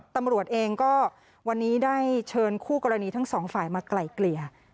ตำรวจเองก็วันนี้ได้เชิญคู่กรณีทั้งสองฝ่ายมาไกลเกลี่ย